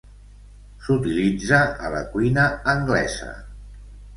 S'utilitza a la cuina anglesa.